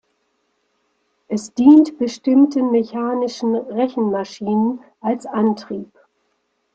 Es dient bestimmten mechanischen Rechenmaschinen als Antrieb.